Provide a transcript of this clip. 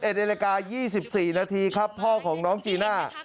๑นาฬิกา๒๔นาทีครับพ่อของน้องจีน่า